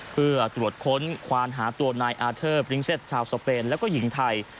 เพื่อตรวจค้นควานหาตัวนายอาเทิบริ้งเซตชาวสเปนแล้วก็หญิงไทย